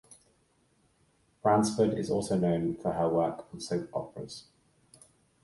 Bransford is also known for her work on soap operas.